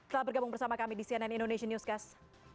selamat bergabung bersama kami di cnn indonesian newscast